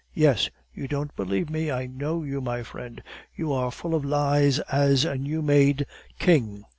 "Yes." "You don't believe me. I know you, my friend; you are as full of lies as a new made king."